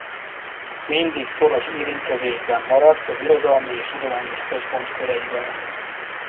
Mindig szoros érintkezésben maradt az irodalmi és tudományos központ köreivel.